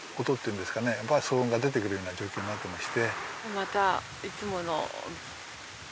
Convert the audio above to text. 騒音が出てくるような状況になってまして。